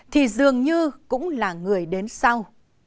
thì dường như cũng là người đến sau